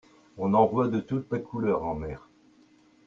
On en voit de toutes les couleurs en mer.